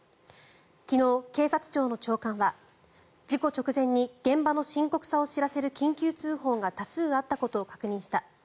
昨日、警察庁の長官は事故直前に現場の深刻さを知らせる緊急通報が多数あったことを確認した。